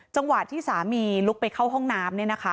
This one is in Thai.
จังหวัดที่สามีลุกไปเข้าห้องน้ำเนี่ยนะคะ